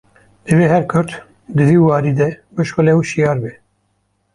Divê her Kurd di vî warî de bişixule û şiyar be